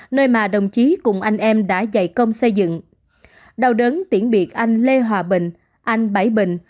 nơi mà đồng chí cùng anh em đã dày công xây dựng đào đớn tiễn biệt anh lê hòa bình anh bảy bình